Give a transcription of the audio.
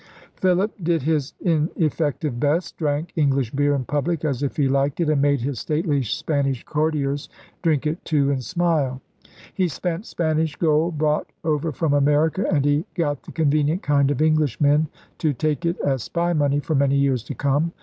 Philip did his ineffective best: drank English beer in public as if he liked it and made his stately Spanish courtiers drink it too and smile. He spent Spanish gold, brought over from America, and he got the convenient kind of Englishmen to take it as spy money for many years to come.